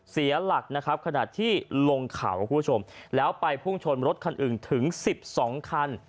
เสียหลักนะครับขณะที่ลงเขาคุณผู้ชมแล้วไปพุ่งชนรถคันอื่นถึง๑๒คัน